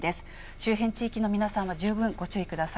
周辺地域の皆さんは十分ご注意ください。